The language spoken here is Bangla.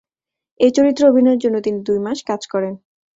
এই চরিত্রে অভিনয়ের জন্য তিনি দুই মাস কাজ করেন।